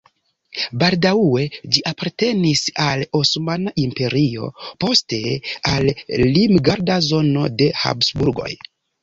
Baldaŭe ĝi apartenis al Osmana Imperio, poste al limgarda zono de Habsburgoj.